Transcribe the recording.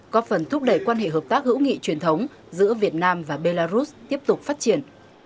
có phần thúc đẩy quan hệ hợp tác hữu nghị truyền thống giữa việt nam và belarus tiếp tục phát triển